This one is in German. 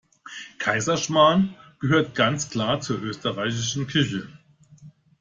Kaiserschmarrn gehört ganz klar zur österreichischen Küche.